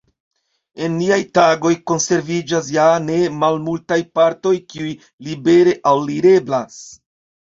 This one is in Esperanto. En niaj tagoj konserviĝas ja ne malmultaj partoj kiuj libere alireblas.